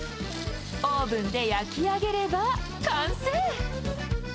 オーブンで焼き上げれば完成！